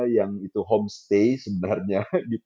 yang itu homestay sebenarnya